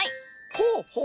ほうほう。